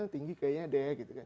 tinggi kayaknya deh